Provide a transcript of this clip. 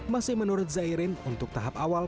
masih menurut zairin untuk tahap awal